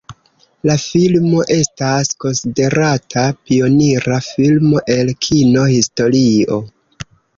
La filmo estas konsiderata pionira filmo el kino-historio.